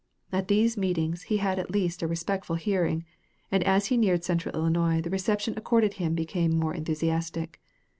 At these meetings he had at least a respectful hearing, and as he neared central Illinois the reception accorded him became more enthusiastic.